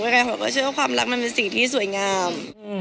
แล้วก็เขยับว่าความรักมันเป็นสิ่งที่สวยงาม